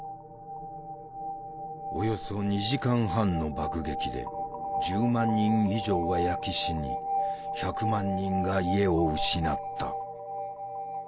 およそ２時間半の爆撃で１０万人以上が焼け死に１００万人が家を失った。